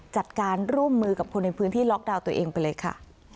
จัดการร่วมมือกับคนในพื้นที่ล็อกดาวน์ตัวเองไปเลยค่ะ